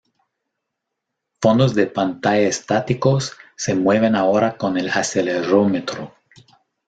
Fondos de pantalla estáticos se mueven ahora con el acelerómetro.